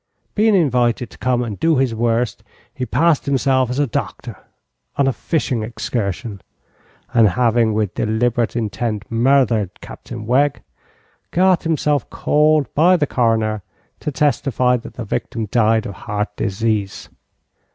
Being invited to come and do his worst, he passed himself as a docther on a fishing excursion, and having with deliberate intent murthered Captain Wegg, got himself called by the coroner to testify that the victim died of heart disease.